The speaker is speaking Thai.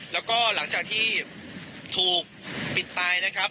แล้วก็หลังจากที่ถูกปิดตายนะครับ